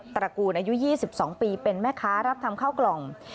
ตระกูลอายุ๒๒ปีเป็นแม่ค้ารับทำข้าวกล่อง